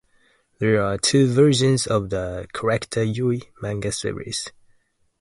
There are two versions of the "Corrector Yui" manga series.